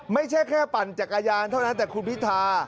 ไม่ใช่แค่ปั่นจักรยานเท่านั้นแต่คุณพิธา